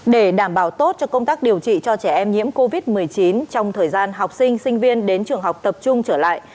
để đảm bảo tốt cho công tác điều trị cho trẻ em nhiễm covid một mươi chín trong thời gian học sinh sinh viên đến trường học tập trung trở lại